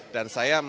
dan saya menurutnya